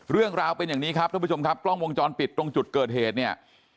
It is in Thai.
เรื่องราวเป็นอย่างนี้ครับท่านผู้ชมครับกล้องวงจรปิดตรงจุดเกิดเหตุเนี่ย